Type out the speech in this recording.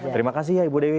terima kasih ya ibu dewi